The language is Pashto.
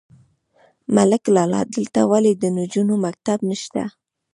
_ملک لالا! دلته ولې د نجونو مکتب نشته؟